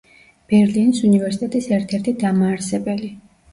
ბერლინის უნივერსიტეტის ერთ-ერთი დამაარსებელი.